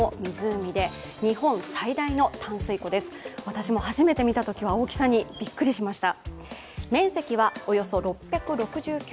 私も初めて見たときは大きさにビックリしました。